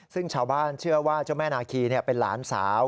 ซึ่งชาวบ้านเชื่อว่าเจ้าแม่นาคีเป็นหลานสาว